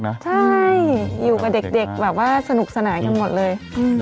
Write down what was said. ใช่อยู่กับเด็กแบบว่าสนุกสนานกันหมดเลย